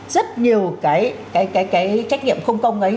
rất nhiều cái trách nhiệm không công ấy